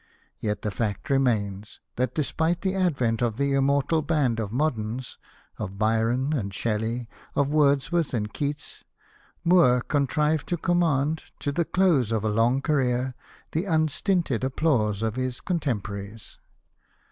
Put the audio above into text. Yet the fact remains, that despite the advent of the immortal band of moderns — of Byron and Shelley, of Wordsworth and Keats — Moore contrived to command to the close of a long career the unstinted applause of his con temporaries.